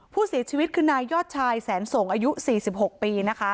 ผู้เสียชีวิตคือนายยอดชายแสนส่งอายุ๔๖ปีนะคะ